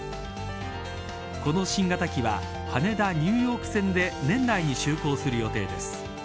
この新型機は羽田・ニューヨーク線で年内に就航する予定です。